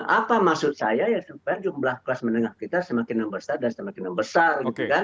apa maksud saya supaya jumlah kelas menengah kita semakin yang besar dan semakin yang besar